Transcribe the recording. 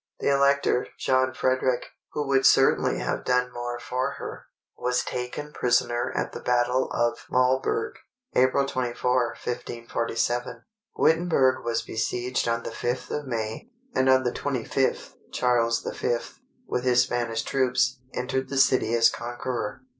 The Elector, John Frederick, who would certainly have done more for her, was taken prisoner at the battle of Muhlberg, April 24, 1547; Wittenberg was besieged on the 5th of May, and on the 25th, Charles V., with his Spanish troops, entered the city as conqueror.